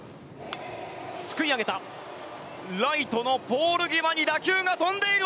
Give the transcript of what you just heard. すくい上げたライトのポール際に打球が飛んでいる。